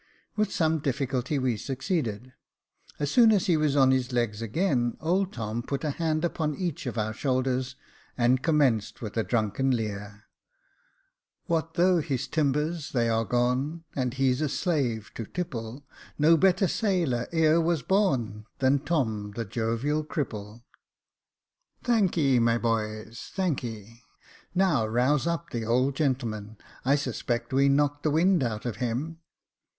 With some difficulty we succeeded. As soon as he was on his legs again, old Tom put a hand upon each of our shoulders, and commenced, with a drunken leer —" What though his timbers they are gone, And he's a slave to tipple, No better sailor e'er was born Than Tom, the jovial cripple. Thanky, my boys, thanky ; now rouse up the old gentleman. I suspect we knocked the wind out of him.